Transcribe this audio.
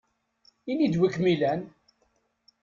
Ini-d wi kem-ilan!